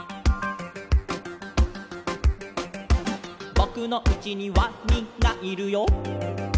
「ぼくのうちにワニがいるよ」